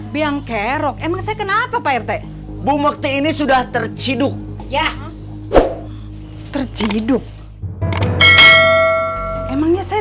biangkerok emang saya kenapa pak rt bumukti ini sudah terciduk ya terciduk emangnya saya